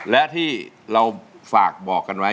และที่เราฝากบอกกันไว้